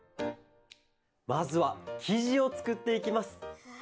まずはきじをつくっていきます。